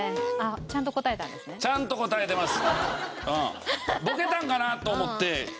ちゃんと答えてます。